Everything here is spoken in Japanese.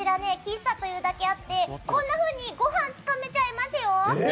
こちら喫茶というだけあってこんなふうにごはんをつかめちゃいますよ。